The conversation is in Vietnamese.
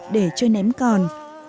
để chơi ném còn